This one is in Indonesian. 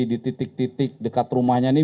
di titik titik dekat rumahnya ini